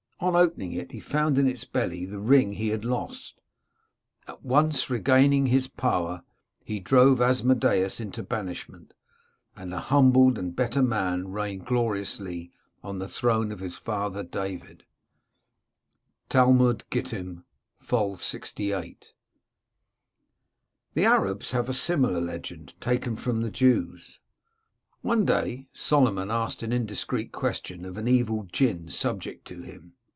On open ing it, he found in its belly the ring he had lost. At once regaining his power, he drove Asmodeus into banishment, and, a humbled and better man, reigned gloriously on the throne of his father David " {Talmud^ Gittim, fol. 68). The Arabs have a similar legend, taken from the Jews :—" One day Solomon asked an indiscreet question of an evil Jinn subject to him.